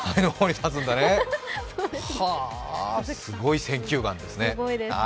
すごい選球眼ですね。